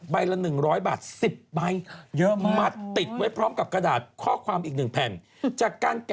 โดนด่าเต็มเลยบ๊อกมาบ๊อก